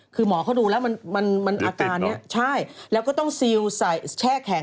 คือหมอเขาดูแล้วมันอาการนี้ใช่แล้วก็ต้องซิลใส่แช่แข็ง